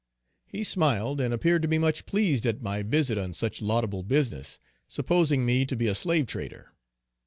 He smiled and appeared to be much pleased at my visit on such laudable business, supposing me to be a slave trader.